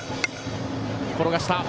転がした。